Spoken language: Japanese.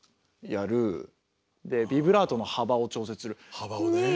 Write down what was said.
幅をね。